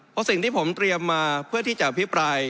เพราะสิ่งที่ผมเตรียมมาเพื่อที่จะอภิปราย